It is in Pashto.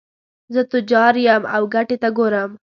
زه تجار یم او ګټې ته ګورم.